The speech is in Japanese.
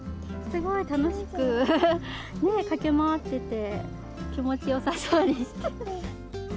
すごい楽しく駆け回ってて、気持ちよさそうでした。